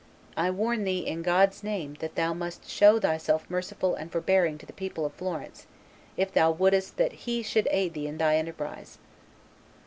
I warn thee, in God's name, that thou must show thyself merciful and forbearing to the people of Florence, if thou wouldest that He should aid thee in thy enterprise."